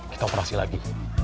kita operasi lagi